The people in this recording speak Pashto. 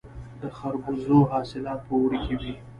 د خربوزو حاصلات په اوړي کې وي.